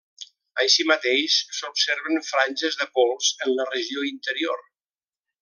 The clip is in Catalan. Així mateix, s'observen franges de pols en la regió interior.